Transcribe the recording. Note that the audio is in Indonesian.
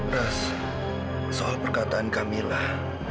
ras soal perkataan kamilah